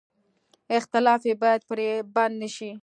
اختلاف یې باید پرې بد نه شي.